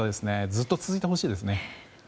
ずっと続いてほしいですね。